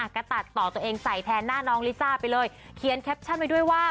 ก็ตัดต่อตัวเองใส่แทนหน้าน้องลิซ่าไปเลยเขียนแคปชั่นไว้ด้วยว่า